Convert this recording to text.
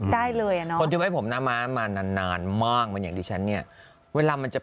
ได้เลยอะเนาะ